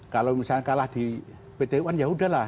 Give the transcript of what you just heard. kalau misalnya kalah di pt uan yaudah lah